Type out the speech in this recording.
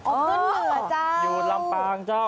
อ๋ออยู่นเหนือเจ้าอยู่นลำปางเจ้า